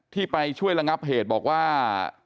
ที่ไปช่วยระงับเหตุบอกว่า